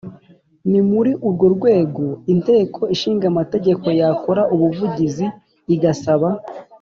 Ni muri urwo rwego Inteko ishingamategeko yakora ubuvugizi igasaba